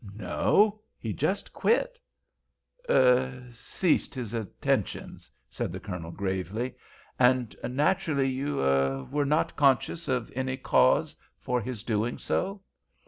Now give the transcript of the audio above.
"No; he just quit." "Er—ceased his attentions," said the Colonel, gravely. "And naturally you—er—were not conscious of any cause for his doing so."